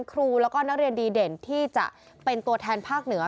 ครูแล้วก็นักเรียนดีเด่นที่จะเป็นตัวแทนภาคเหนือ